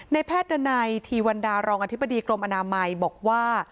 แพทย์ดันัยทีวันดารองอธิบดีกรมอนามัยบอกว่า